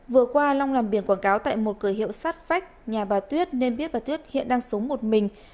vừa qua long làm biển quảng cáo tại một cửa hiệu sát phách nhà bà tuyết nên biết bà tuyết hiện đang sống một mình